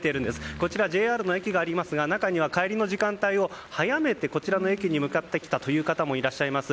こちらＪＲの駅がありますが中には帰りの時間帯を早めてこちらの駅に向かってきたという方もいらっしゃいます。